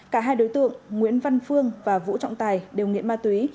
cả hai đối tượng nguyễn văn phương và vũ trọng tài đều nghiện ma túy